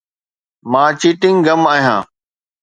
مان چيئنگ گم آهيان.